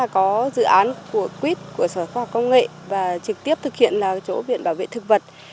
có dự án của quýt của sở khoa học công nghệ và trực tiếp thực hiện chỗ viện bảo vệ thực vật